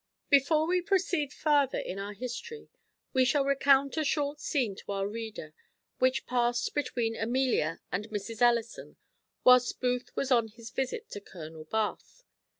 _ Before we proceed farther in our history we shall recount a short scene to our reader which passed between Amelia and Mrs. Ellison whilst Booth was on his visit to Colonel Bath.